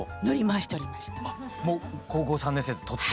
もう高校３年生で取って。